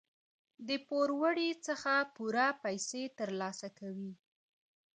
د پوروړي څخه پوره پیسې تر لاسه کوي.